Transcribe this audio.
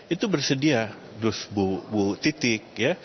itu bersedia dus bu bu titik